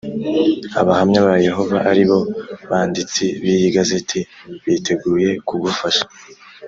Abahamya ba Yehova ari bo banditsi b iyi gazeti biteguye kugufasha